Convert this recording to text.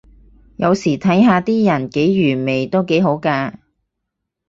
有時睇下啲人幾愚昧都幾好咖